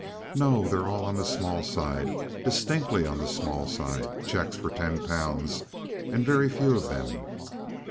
"No. They're all on the small side distinctly on the small side cheques for ten pounds and very few of them."